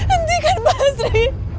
hentikan pak lestri